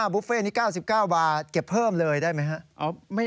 บุฟเฟ่นี้๙๙บาทเก็บเพิ่มเลยได้ไหมครับ